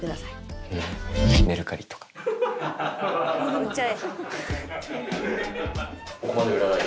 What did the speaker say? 売っちゃえ。